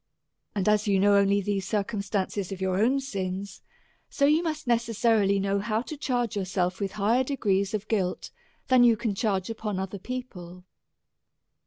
And as you know only these circum stances of your own sins, so you must necessarilv know how to charge yourself with higher degrees of guilt, than you can charge upon other people.